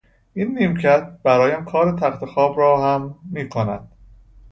این نیمکت برایم کار تختخواب را هم میکند.